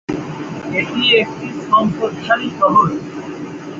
এটি একটি সম্পদশালী শহর।